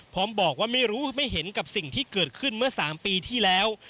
พร้อมบอกว่าไม่รู้ไม่เห็นกับสิ่งที่เกิดขึ้นเมื่อ๓ปีที่แล้ว